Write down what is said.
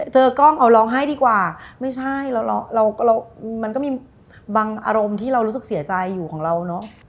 เจอกล้องเอาร้องไห้ดีกว่าไม่ใช่เรามันก็มีบางอารมณ์ที่เรารู้สึกเสียใจอยู่ของเราเนอะ